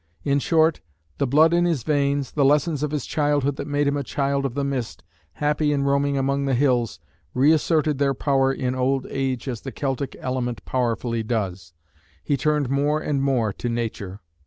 In short, the blood in his veins, the lessons of his childhood that made him a "child of the mist," happy in roaming among the hills, reasserted their power in old age as the Celtic element powerfully does. He turned more and more to nature.